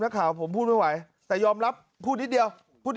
นักข่าวผมพูดไม่ไหวแต่ยอมรับพูดนิดเดี๋ยว